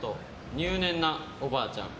入念なおばあちゃん。